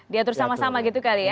diatur sama sama gitu kali ya